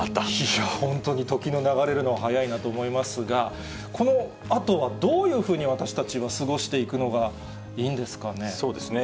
いやー、本当に時の流れるのは早いなと思いますが、このあとはどういうふうに私たちは過ごしていくのがいいんですかね。